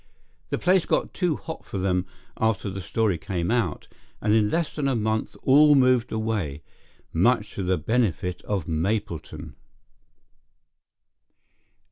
The place got too hot for them after the story came out, and in less than a month all moved away—much to the benefit of Mapleton.